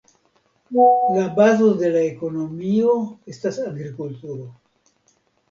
La bazo de la ekonomio estas agrikulturo.